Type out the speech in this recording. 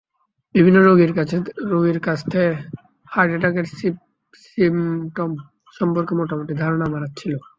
বিভিন্ন রোগীর কাছ থেকে হার্ট অ্যাটাকের সিমটম সম্পর্কে মোটামুটি ধারণা আমার ছিল।